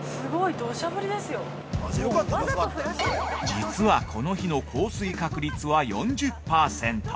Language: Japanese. ◆実はこの日の降水確率は４０％。